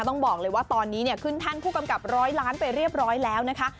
ต้องบอกเลยว่าตอนนี้เนี่ยขึ้นแท่นผู้กำกับร้อยล้านไปเรียบร้อยแล้วนะคะ